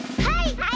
はい！